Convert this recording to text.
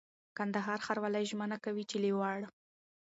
کندهار ښاروالي ژمنه کوي چي له وړ